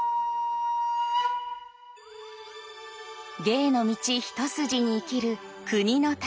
芸の道一筋に生きる国のたから。